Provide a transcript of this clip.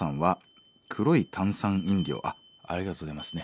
あっありがとうございますね